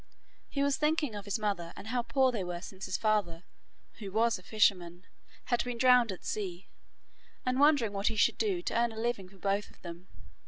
He was thinking of his mother and how poor they were since his father, who was a fisherman, had been drowned at sea, and wondering what he should do to earn a living for both of them.